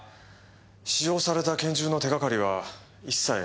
使用された拳銃の手がかりは一切得られておりません。